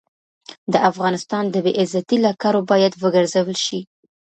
د افغانستان د بې عزتۍ له کارو باید وګرزول شي.